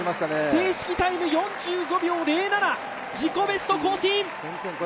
正式タイム４５秒０７、自己ベスト更新！